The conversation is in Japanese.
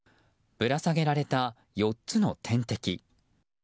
ぶら下げられた４つの点滴。